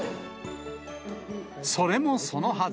それもそのはず。